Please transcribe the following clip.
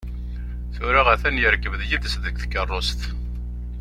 Tura a-t-an yerkeb d yid-s deg tkerrust.